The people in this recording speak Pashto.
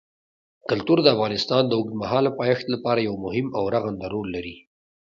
کلتور د افغانستان د اوږدمهاله پایښت لپاره یو مهم او رغنده رول لري.